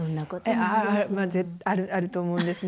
あるあると思うんですね。